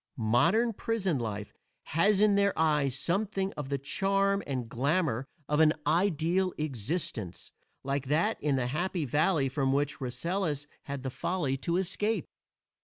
Modern prison life has in their eyes something of the charm and glamor of an ideal existence, like that in the Happy Valley from which Rasselas had the folly to escape.